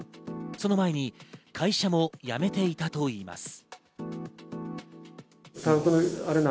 その前に会社も辞めていたといいます。